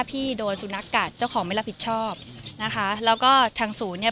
พี่โดนสุนัขกัดเจ้าของไม่รับผิดชอบนะคะแล้วก็ทางศูนย์เนี่ย